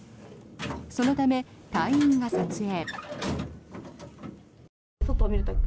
そのため、隊員が撮影。